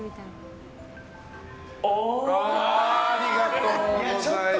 ありがとうございます。